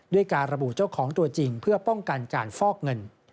การระบุเจ้าของตัวจริงเพื่อป้องกันการฟอกเงิน